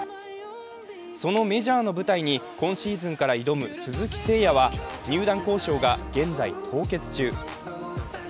そのメジャーの舞台に今シーズンから挑む鈴木誠也は入団交渉が現在、凍結中。